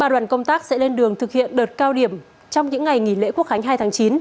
ba đoàn công tác sẽ lên đường thực hiện đợt cao điểm trong những ngày nghỉ lễ quốc khánh hai tháng chín